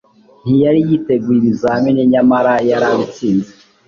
ntiyari yiteguye ibizamini nyamarayarabitsinze